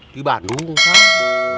di bandung kak